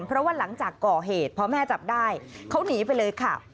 เพราะว่าหลังจากก่อเหตุพอแม่จับได้เขาหนีไปเลยค่ะ